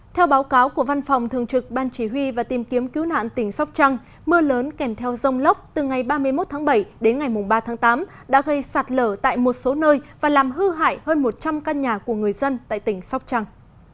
theo báo cáo của văn phòng thường trực ban chỉ huy và tìm kiếm cứu nạn tỉnh sóc trăng mưa lớn kèm theo rông lốc từ ngày ba mươi một tháng bảy đến ngày ba tháng tám đã gây sạt lở tại một số nơi và làm hư hại hơn một trăm linh căn nhà của người dân tại tỉnh sóc trăng